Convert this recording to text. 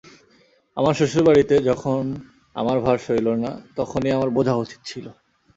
আমার শ্বশুরবাড়িতেও যখন আমার ভার সইল না তখনই আমার বোঝা উচিত ছিল।